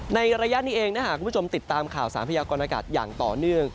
ในระยะนี้เองถ้าหากคุณผู้ชมติดตามข่าวสารพยากรณากาศอย่างต่อเนื่อง